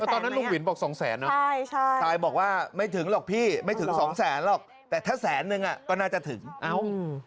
ตอนนั้นลุงวินบอกสองแสนเนอะใช่ใช่ทรายบอกว่าไม่ถึงหรอกพี่ไม่ถึงสองแสนหรอกแต่ถ้าแสนนึงอ่ะก็น่าจะถึงเอ้าอืม